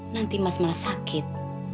nanti mas malah sakit